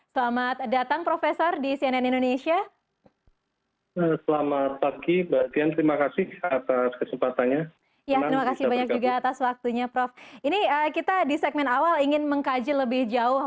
selamat datang prof di cnn indonesia